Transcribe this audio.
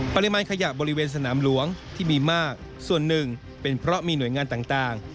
ปริมาณขยะบริเวณสนามหลวงที่มีมากส่วนหนึ่งเป็นเพราะมีหน่วยงานต่าง